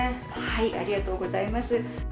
ありがとうございます。